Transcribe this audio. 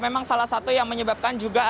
memang salah satu yang menyebabkan juga